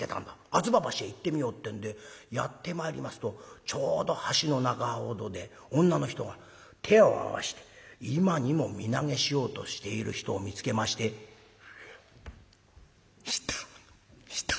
吾妻橋へ行ってみよう」ってんでやって参りますとちょうど橋の中ほどで女の人が手を合わして今にも身投げしようとしている人を見つけまして「いたいた。